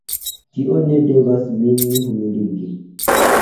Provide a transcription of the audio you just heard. Tio ne devas min humiligi!